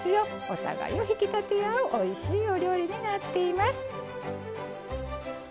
お互いを引き立て合うおいしいお料理になっています。